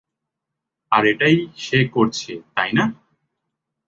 আর এটাই সে করছে, তাই না?